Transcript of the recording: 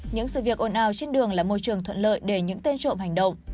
những sự việc ồn ào trên đường là môi trường thuận lợi để những tên trộm hành động